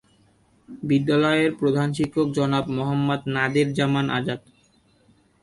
বিদ্যালয়ের প্রধান শিক্ষক জনাব মোহাম্মদ নাদের জামান আজাদ।